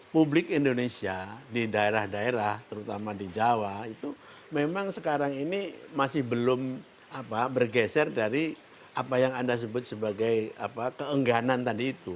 publik indonesia di daerah daerah terutama di jawa itu memang sekarang ini masih belum bergeser dari apa yang anda sebut sebagai keengganan tadi itu